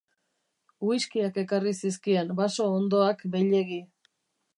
Whiskiak ekarri zizkien, baso hondoak beilegi.